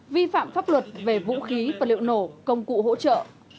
vi phạm pháp luật về vũ khí vật liệu nổ công cụ hỗ trợ